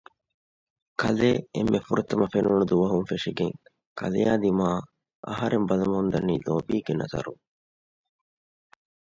ކަލޭ އެންމެ ފުރަތަމަ ފެނުނު ދުވަހުން ފެށިގެން ކަލެއާ ދިމާއަށް އަހަރެން ބަލަމުންދަނީ ލޯބީގެ ނަޒަރުން